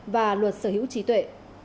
và luật sở hữu trí tuệ